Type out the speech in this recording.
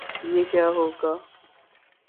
یہ کیا ہو گا؟